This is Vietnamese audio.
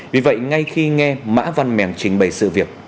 vì vậy ngay khi nghe mã văn mèn trình bày sự việc